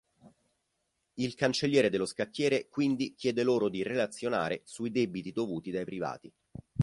Il Cancelliere dello Scacchiere quindi chiede loro di relazionare sui debiti dovuti dai privati.